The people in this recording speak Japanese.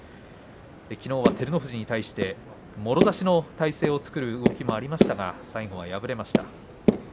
きのうは照ノ富士に対してもろ差しの体勢を作る動きもありましたが最後は敗れてしまいました。